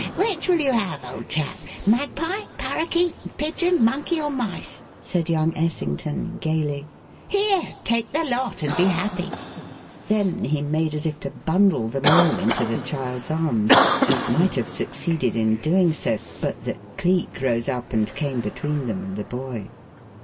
Which will you have, old chap magpie, parrakeet, pigeon, monkey, or mice?" said young Essington, gayly. "Here! take the lot and be happy!" Then he made as if to bundle them all into the child's arms, and might have succeeded in doing so, but that Cleek rose up and came between them and the boy.